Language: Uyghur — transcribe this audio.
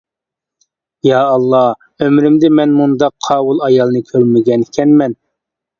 يائاللا ئۆمرۈمدە مەن مۇنداق قاۋۇل ئايالنى كۆرمىگەنىكەنمەن.